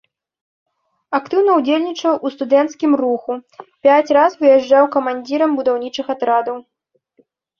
Актыўна ўдзельнічаў у студэнцкім руху, пяць раз выязджаў камандзірам будаўнічых атрадаў.